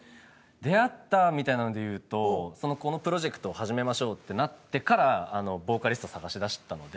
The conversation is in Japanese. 出会ったみたいなので言うとこのプロジェクトを始めましょうってなってからボーカリスト探しだしたので。